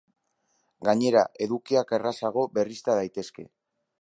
Gainera, edukiak errazago berrizta daitezke.